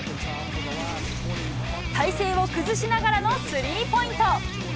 体勢を崩しながらのスリーポイント。